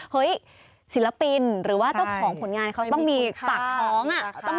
เฮ้ยศิลปินหรือว่าเจ้าของผลงานเขาต้องมีปากท้อง